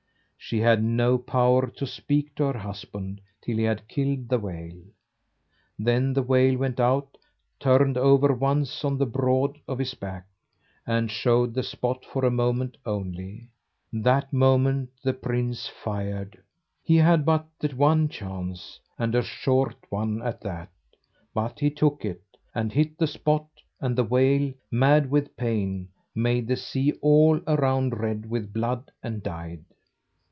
She had no power to speak to her husband till he had killed the whale. Then the whale went out, turned over once on the broad of his back, and showed the spot for a moment only. That moment the prince fired. He had but the one chance, and a short one at that; but he took it, and hit the spot, and the whale, mad with pain, made the sea all around red with blood, and died.